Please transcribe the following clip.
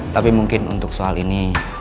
tapi mungkin untuk soal ini